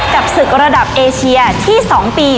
กับศึกระดับเอเชียที่๒ปี